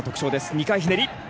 ２回ひねり。